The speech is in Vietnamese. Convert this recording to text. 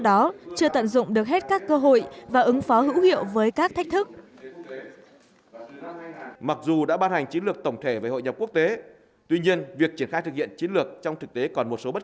do đó chưa tận dụng được hết